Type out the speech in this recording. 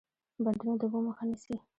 بندونه د اوبو مخه نیسي